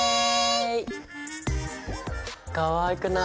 かわいくない？